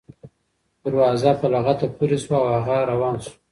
دروازه په لغته پورې شوه او هغه روان شو.